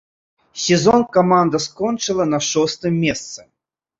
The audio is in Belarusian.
Сезон каманда скончыла на шостым месцы.